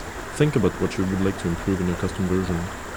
Think about what you would like to improve in your custom version.